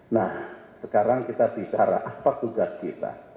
nah sekarang kita bicara apa tugas kita